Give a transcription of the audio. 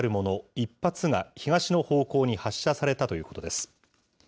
１発が東の方向に発射されたということです。